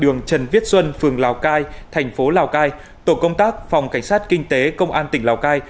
đường trần viết xuân phường lào cai thành phố lào cai tổ công tác phòng cảnh sát kinh tế công an tỉnh lào cai